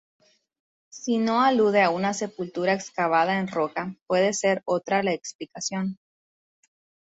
Si no alude a una sepultura excavada en roca, puede ser otra la explicación.